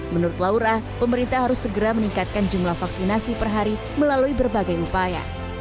menurut laura pemerintah harus segera meningkatkan jumlah vaksinasi per hari melalui berbagai upaya